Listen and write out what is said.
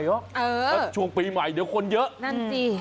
เออช่วงปีใหม่เดี๋ยวคนเยอะนั่นจริง